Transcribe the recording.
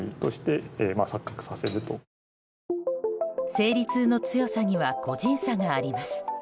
生理痛の強さには個人差があります。